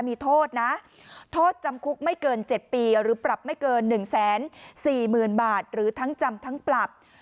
มีโทษนะโทษจำคุกไม่เกิน๗ปีหรือปรับไม่เกิน๑๔๐๐๐บาทหรือทั้งจำทั้งปรับ